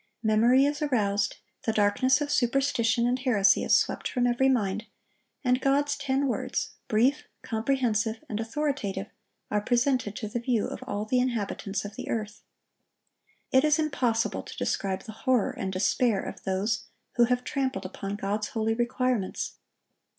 Memory is aroused, the darkness of superstition and heresy is swept from every mind, and God's ten words, brief, comprehensive, and authoritative, are presented to the view of all the inhabitants of the earth. It is impossible to describe the horror and despair of those who have trampled upon God's holy requirements.